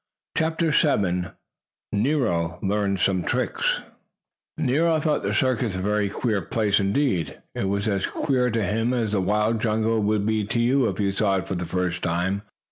CHAPTER VII NERO LEARNS SOME TRICKS Nero thought the circus a very queer place indeed. It was as queer to him as the wild jungle would be to you if you saw it for the first time.